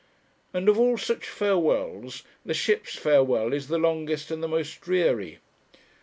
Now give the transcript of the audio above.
And of all such farewells, the ship's farewell is the longest and the most dreary.